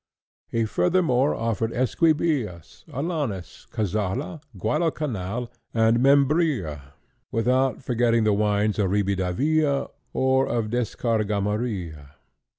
He furthermore offered Esquibias, Alanis, Cazalla, Guadalcanal, and Membrilla, without forgetting the wines of Ribadavia or of Descargamaria.